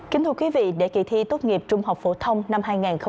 kính thưa quý vị để kỳ thi tốt nghiệp trung học phổ thông năm hai nghìn hai mươi